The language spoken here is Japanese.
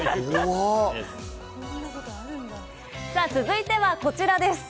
続いては、こちらです。